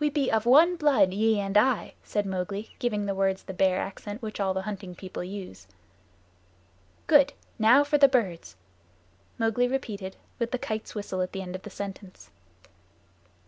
"We be of one blood, ye and I," said Mowgli, giving the words the Bear accent which all the Hunting People use. "Good. Now for the birds." Mowgli repeated, with the Kite's whistle at the end of the sentence.